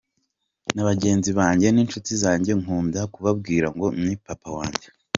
Na bagenzi banjye n’inshuti zanjye nkunda kubabwira ngo ni papa wanjye.